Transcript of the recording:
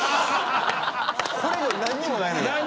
これ以上何にもないのよ。